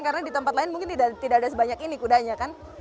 karena di tempat lain mungkin tidak ada sebanyak ini kudanya kan